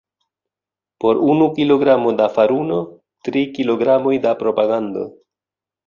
Por unu kilogramo da faruno, tri kilogramoj da propagando.